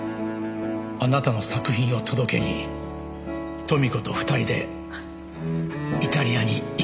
「あなたの作品を届けに豊美子と二人でイタリアに行きます」